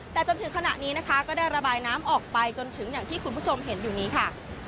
แต่จนถึงขณะนี้นะคะก็ได้ระบายน้ำออกไปจนถึงอย่างที่คุณผู้ชมเห็นอยู่นี้ค่ะ